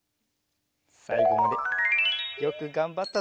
さいごまでよくがんばったぞ！